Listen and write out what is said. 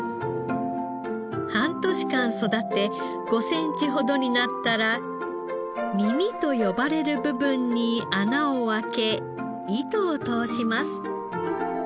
半年間育て５センチほどになったら耳と呼ばれる部分に穴を開け糸を通します。